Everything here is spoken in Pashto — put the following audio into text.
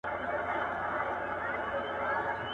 • مساپر د خېر پوښته، نه د ورځو.